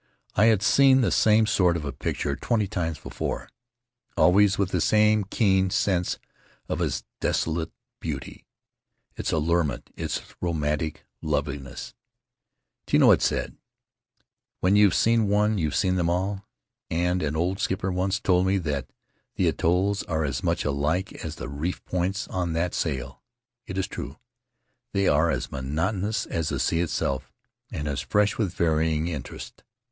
I had seen the same sort of a picture twenty times before, always with the same keen sense of its desolate beauty, its allurement, its romantic loveliness. Tino had said, 'When you've seen one you've seen them all," and an old skipper once told me that "the atolls are as much alike as the reef points on that sail." It is true. They are as monotonous as the sea itself and as fresh with varying interest.